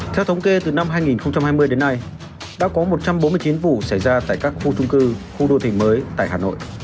theo thống kê từ năm hai nghìn hai mươi đến nay đã có một trăm bốn mươi chín vụ xảy ra tại các khu trung cư khu đô thị mới tại hà nội